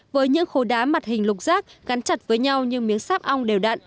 với những khối đá mặt hình lục rác gắn chặt với nhau như miếng sáp ong đều đặn